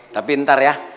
tapi ntar ya